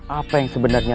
apa yang sebenarnya